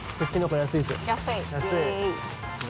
安い。